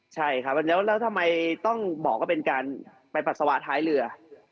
ใช่ครับแล้วทำไมต้องบอกว่าเป็นการไปปัสสาวะท้ายเรือ